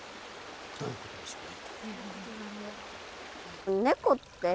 どういうことでしょうね。